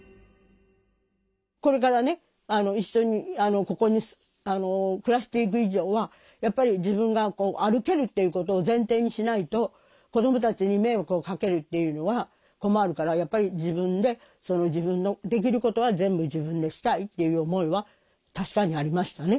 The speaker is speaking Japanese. これからね一緒にここに暮らしていく以上はやっぱり自分が歩けるっていうことを前提にしないと子供たちに迷惑をかけるっていうのは困るからやっぱり自分で自分のできることは全部自分でしたいっていう思いは確かにありましたね。